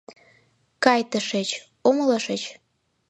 — Кай тышеч, умылышыч?